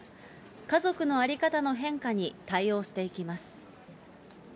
家族の在り方の変化に対応していきます。